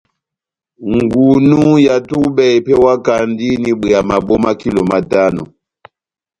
Ngunú ya tubɛ epewakandi n'ibwea mabo ma kilo matano.